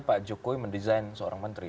pak jokowi mendesain seorang menteri